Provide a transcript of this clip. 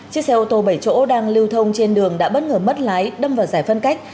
chiếc xe ô tô bảy chỗ đang lưu thông trên đường đã bất ngờ mất lái đâm vào giải phân cách